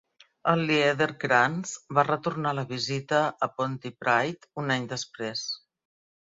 El Liederkranz va retornar la visita a Pontypridd un any després.